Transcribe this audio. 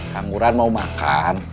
kangguran mau makan